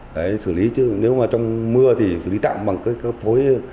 đấy xử lý chứ nếu mà trong mưa thì xử lý tạm bằng cái phối